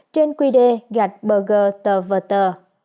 trên quy đề gạch bờ gờ tờ vờ tờ